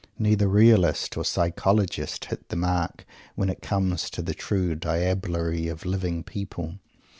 Neither "realist" or "psychologist" hits the mark, when it comes to the true diablerie of living people.